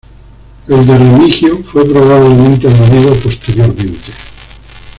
El de Remigio fue probablemente añadido posteriormente.